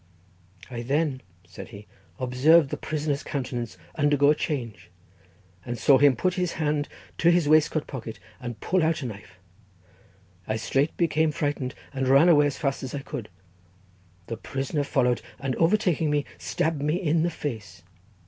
"I then," said he, "observed the prisoner's countenance undergo a change, and saw him put his hand to his waistcoat pocket and pull out a knife. I straight became frightened, and ran away as fast as I could; the prisoner followed, and overtaking me, stabbed me in the face.